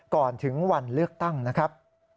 ก่อนถึงวันเลือกตั้งนะครับ